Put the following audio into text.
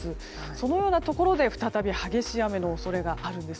そのようなところで再び激しい雨の恐れがあるんです。